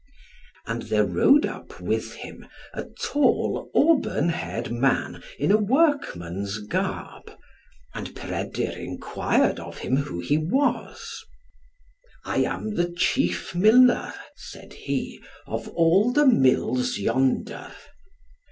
And there rode up with him a tall auburn haired man, in a workman's garb, and Peredur enquired of him who he was. "I am the chief miller," said he, "of all the mills yonder."